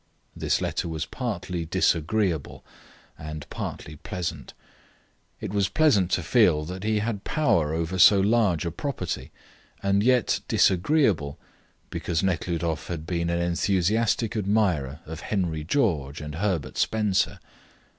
This letter was partly disagreeable, and partly pleasant. It was pleasant to feel that he had power over so large a property, and yet disagreeable, because Nekhludoff had been an enthusiastic admirer of Henry George and Herbert Spencer.